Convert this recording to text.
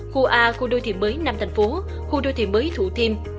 khu a khu đô thị mới năm thành phố khu đô thị mới thủ thiêm